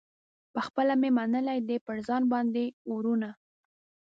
پخپله مي منلي دي پر ځان باندي اورونه